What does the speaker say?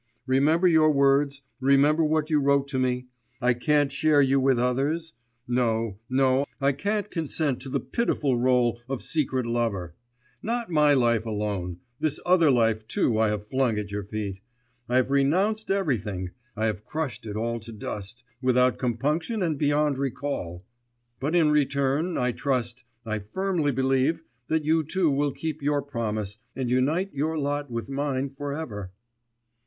Remember your words, remember what you wrote to me. I can't share you with others; no, no, I can't consent to the pitiful rôle of secret lover; not my life alone, this other life too I have flung at your feet, I have renounced everything, I have crushed it all to dust, without compunction and beyond recall; but in return I trust, I firmly believe, that you too will keep your promise, and unite your lot with mine for ever.